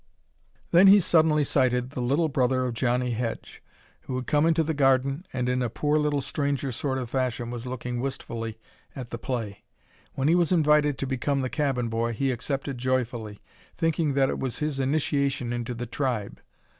Then he suddenly sighted the little brother of Johnnie Hedge, who had come into the garden, and in a poor little stranger sort of fashion was looking wistfully at the play. When he was invited to become the cabin boy he accepted joyfully, thinking that it was his initiation into the tribe.